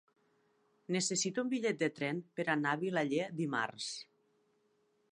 Necessito un bitllet de tren per anar a Vilaller dimarts.